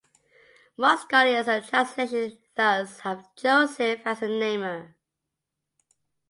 Most scholars and translations thus have Joseph as the namer.